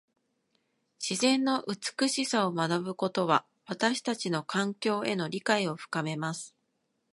自然の美しさを学ぶことは、私たちの環境への理解を深めます。